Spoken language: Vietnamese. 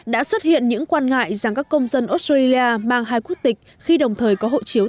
đã xuất hiện những quan ngại rằng các công dân australia mang hai quốc tịch khi đồng thời có hộ chiếu